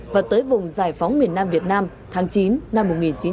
và tới vùng giải phóng miền nam việt nam tháng chín năm một nghìn chín trăm bảy mươi năm